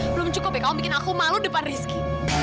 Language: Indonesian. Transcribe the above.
belum cukup ya kalau bikin aku malu depan rizky